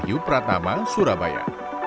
yuh pratama surabaya